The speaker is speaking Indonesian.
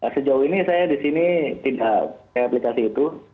sejauh ini saya di sini tidak aplikasi itu